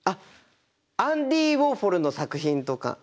アンディ・ウォーホルの作品とか。